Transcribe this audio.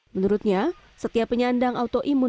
menurutnya setiap penyandang autoimun